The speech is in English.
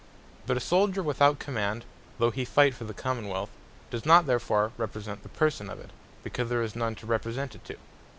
But a Souldier without Command, though he fight for the Common wealth, does not therefore represent the Person of it; because there is none to represent it to.